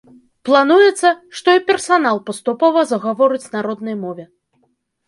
Плануецца, што і персанал паступова загаворыць на роднай мове.